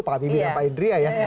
pak habibie dan pak indria ya